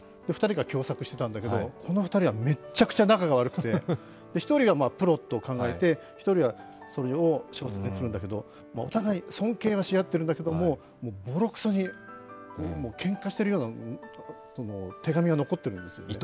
２人が共作していたんだけどこの２人はめちゃくちゃ仲が悪くて１人はプロットを考えて、１人はそれを小説にするんだけどお互い、尊敬はしあってるんだけどもうボロクソに、けんかしてるような手紙が残ってるんですよ。